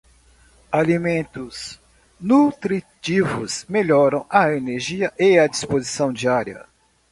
Alimentos nutritivos melhoram a energia e a disposição diária.